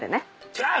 ちゃう！